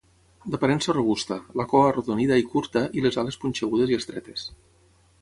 D'aparença robusta, la cua arrodonida i curta, i les ales punxegudes i estretes.